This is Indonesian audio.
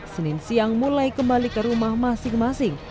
senin siang mulai kembali ke rumah masing masing